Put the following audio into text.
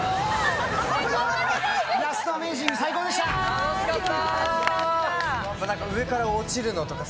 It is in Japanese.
楽しかった！